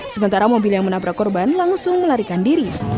sementara mobil yang menabrak korban langsung melarikan diri